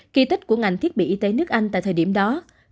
kỳ tích của ngành thiết bị y tế nước anh tại thời điểm đó